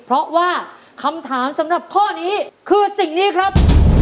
เพราะว่าคำถามสำหรับข้อนี้คือสิ่งนี้ครับ